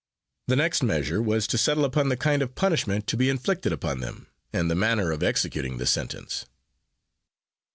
The next measure was to settle upon the kind of punishment to be inflicted upon them, and the manner of executing the sentence.